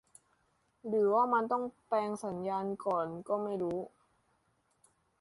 หรือว่ามันต้องแปลงสัญญาณก่อนก็ไม่รู้